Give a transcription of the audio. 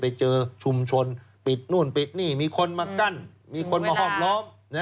ไปเจอชุมชนปิดนู่นปิดนี่มีคนมากั้นมีคนมาห้อมล้อม